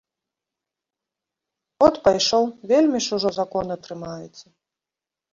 От пайшоў, вельмі ж ужо закона трымаецца.